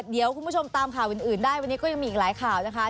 เดี๋ยวคุณผู้ชมตามข่าวอื่นได้วันนี้ก็ยังมีอีกหลายข่าวนะคะ